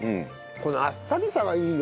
このあっさりさがいいよね。